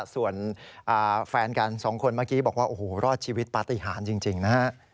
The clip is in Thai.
ส่วนแฟนกันสองคนเมื่อกี้บอกว่าโอ้โหรอดชีวิตปฏิหารจริงนะฮะ